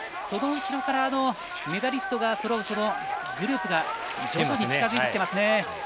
その後ろからメダリストがそろうグループが徐々に近づいてきています。